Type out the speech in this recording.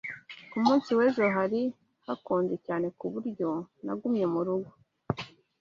Ku munsi w'ejo hari hakonje cyane ku buryo nagumye mu rugo.